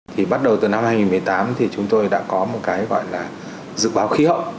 thì bắt đầu từ năm hai nghìn một mươi tám thì chúng tôi đã có một cái gọi là dự báo khí hậu